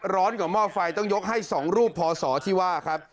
ร้อนกว่าหม้อไฟต้องยกให้๒รูปพอสอที่ว่าครับ